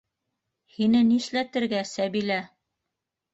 Һине нишләтергә, Сәбилә?!